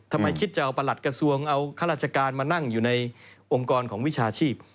คิดจะเอาประหลัดกระทรวงเอาข้าราชการมานั่งอยู่ในองค์กรของวิชาชีพ